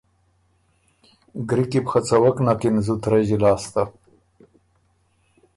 ګری کی بو خه څوَک نکِن زُت رݫی لاسته۔